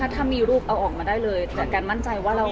ถ้ามีรูปเอาออกมาได้เลยจากการมั่นใจว่าเรา